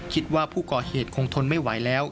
คิดว่าผู้ก่อเหตุคงทนไม่ไหวแล้ว